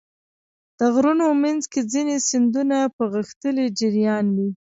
د غرونو منځ کې ځینې سیندونه په غښتلي جریان وي.